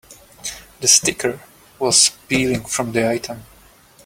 The sticker was peeling from the item.